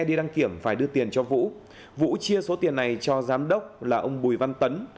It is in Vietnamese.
đi đăng kiểm phải đưa tiền cho vũ vũ chia số tiền này cho giám đốc là ông bùi văn tấn